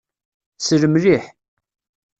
Sel mliḥ.